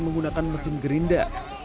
menggunakan mesin gerinda